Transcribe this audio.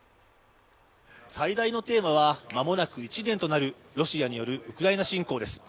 最大のテーマは間もなく１年となるロシアによるウクライナ侵攻です。